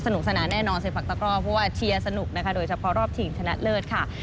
สนุกสาหน่าแน่นอนเซปักตะกรอดเพราะว่าเชียร์สนุกโดยเฉพาะรอบถิ่นชนะเลิศค่ะ